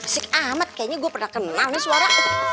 asik amat kayaknya gue pernah kenal nih suara